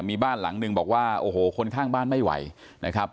มีบ้านหลังนึงบอกว่าโอ้โหคนข้างบ้านไม่ไหวนะครับ